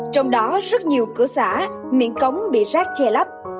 trong đó rất nhiều cửa xã miệng cống bị rác che lắp